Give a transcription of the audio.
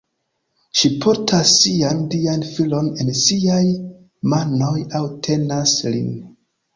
Ŝi portas sian dian filon en siaj manoj, aŭ tenas lin.